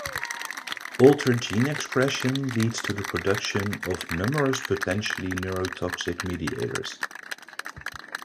Altered gene expression leads to the production of numerous potentially neurotoxic mediators.